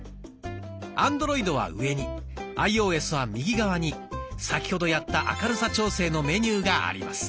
アンドロイドは上にアイオーエスは右側に先ほどやった明るさ調整のメニューがあります。